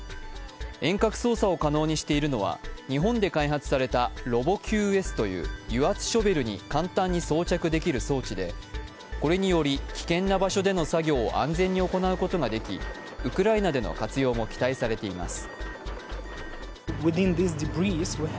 遠隔操作を可能にしているのは日本で開発されたロボＱＳという油圧ショベルに簡単に装着できる装置で、これにより危険な場所での作業を安全に行うことができ、ウクライナでの活用も期待されています。